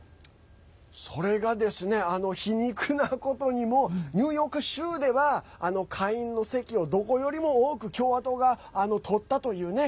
それがですね、皮肉なことにもうニューヨーク州では下院の席をどこよりも多く共和党が取ったというね。